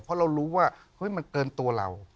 เพราะเรารู้ว่าเฮ้ยมันเกินตัวเรา